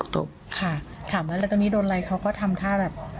ตบค่ะถามว่าแล้วตอนนี้โดนอะไรเขาก็ทำท่าแบบ